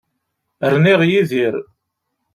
Rniɣ Yidir.